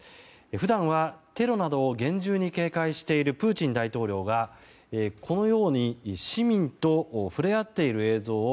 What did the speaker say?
普段は、テロなどを厳重に警戒しているプーチン大統領がこのように、市民と触れ合っている映像を